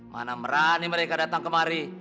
mana berani mereka datang kemari